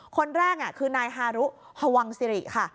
คนแรกคือนายฮารุฮวังสิริค่ะ